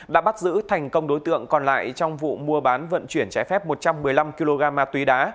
đã bắt giữ thành công đối tượng còn lại trong vụ mua bán vận chuyển trái phép một trăm một mươi năm kg ma túy đá